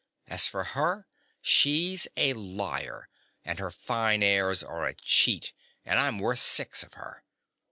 As for her, she's a liar; and her fine airs are a cheat; and I'm worth six of her.